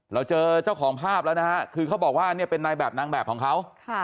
เราเจอเจ้าของภาพแล้วนะฮะคือเขาบอกว่าเนี่ยเป็นนายแบบนางแบบของเขา